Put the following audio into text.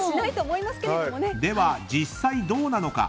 では、実際どうなのか。